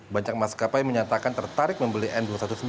banyak maskapai menyatakan tertarik membeli n dua ratus sembilan belas